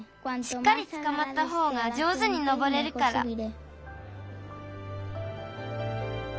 しっかりつかまったほうが上手にのぼれるから。